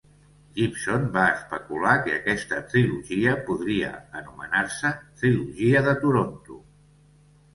Gibson va especular que aquesta trilogia podria anomenar-se "Trilogia de Toronto".